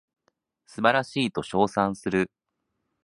素晴らしいと称賛する